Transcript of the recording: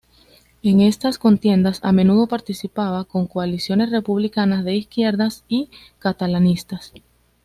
En estas contiendas a menudo participaba con coaliciones republicanas, de izquierdas y catalanistas.